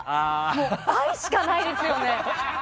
もう愛しかないですよね。